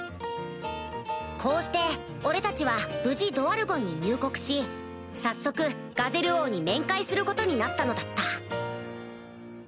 こうして俺たちは無事ドワルゴンに入国し早速ガゼル王に面会することになったのだった